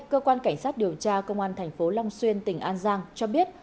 cơ quan cảnh sát điều tra công an thành phố long xuyên tỉnh an giang cho biết